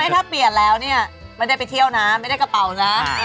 ถ้าเปลี่ยนแล้วเนี่ยไม่ได้ไปเที่ยวนะไม่ได้กระเป๋านะ